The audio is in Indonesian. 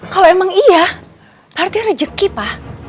kalau emang iya artinya rezeki pak